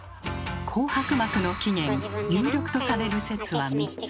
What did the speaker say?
紅白幕の起源有力とされる説は３つ。